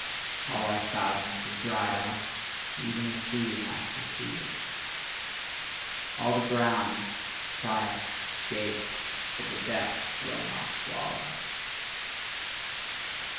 All our fountains have dried up, even the sea hath receded. All the ground trieth to gape, but the depth will not swallow!